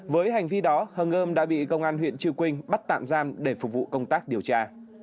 với hành vi đó hân ơm đã bị công an huyện chư quynh bắt tạm giam để phục vụ công tác điều tra